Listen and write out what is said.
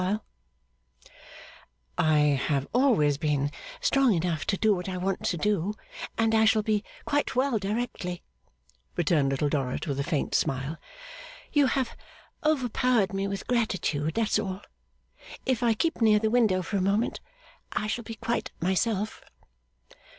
'I have always been strong enough to do what I want to do, and I shall be quite well directly,' returned Little Dorrit, with a faint smile. 'You have overpowered me with gratitude, that's all. If I keep near the window for a moment I shall be quite myself.